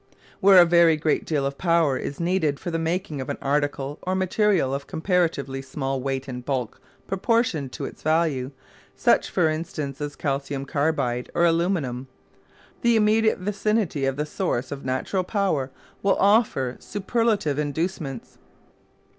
Where a very great deal of power is needed for the making of an article or material of comparatively small weight and bulk proportioned to its value such for instance as calcium carbide or aluminium the immediate vicinity of the source of natural power will offer superlative inducements.